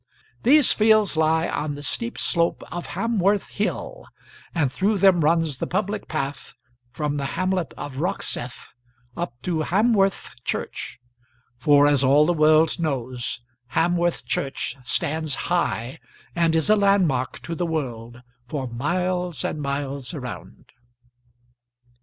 These fields lie on the steep slope of Hamworth Hill, and through them runs the public path from the hamlet of Roxeth up to Hamworth church; for, as all the world knows, Hamworth church stands high, and is a landmark to the world for miles and miles around.